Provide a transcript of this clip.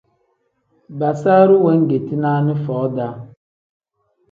Basaru wengeti naani foo-daa.